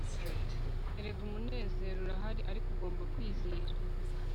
erega umunezero urahari - ariko ugomba kwizera